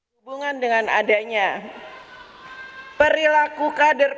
kehubungan dengan adanya perilaku kader partai